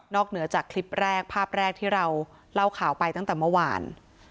เหนือจากคลิปแรกภาพแรกที่เราเล่าข่าวไปตั้งแต่เมื่อวาน